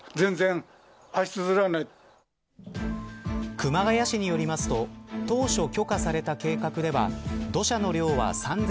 熊谷市によりますと当初許可された計画では土砂の量は３０００